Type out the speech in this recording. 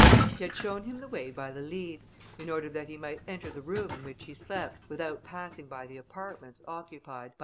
He had shown him the way by the leads, in order that he might enter the room in which he slept without passing by the apartments occupied by M.